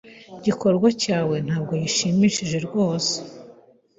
Igikorwa cyawe ntabwo gishimishije rwose.